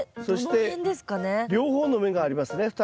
そして両方の芽がありますね。